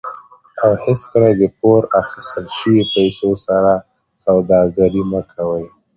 او هیڅکله د پور اخیستل شوي پیسو سره سوداګري مه کوئ.